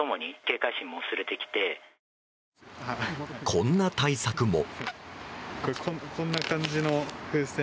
こんな対策も。